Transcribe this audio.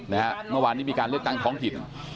เมื่อวานนี้มีการเลือกตั้งท้องถิ่น